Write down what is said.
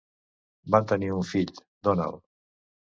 Van tenir un fill, Donald.